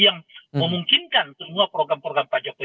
yang memungkinkan semua program program pak jokowi